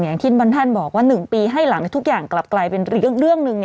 อย่างที่บางท่านบอกว่า๑ปีให้หลังทุกอย่างกลับกลายเป็นเรื่องหนึ่ง